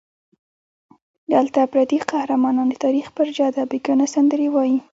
دلته پردي قهرمانان د تاریخ پر جاده بېګانه سندرې وایي.